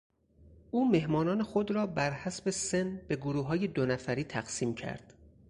او مهمانان خود را بر حسب سن به گروههای دو نفری تقسیم کرد.